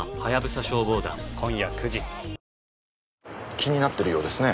気になってるようですね